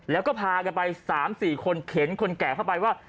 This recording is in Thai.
แล้วก็พากันไป๓๔คนเข็นคนแก่เข้าไปว่า